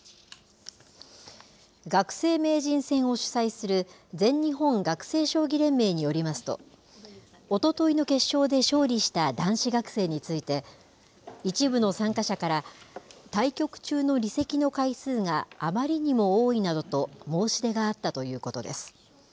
学生名人戦を主催する全日本学生将棋連盟によりますと、おとといの決勝で勝利した男子学生について、一部の参加者から、対局中の離席の回数があまりにも多いなどと申し出があったということです。